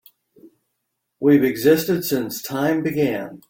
We've existed since time began.